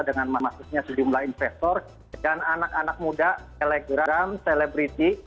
dengan masuknya sejumlah investor dan anak anak muda telegram selebriti